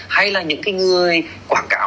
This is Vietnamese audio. hay là những cái người quảng cáo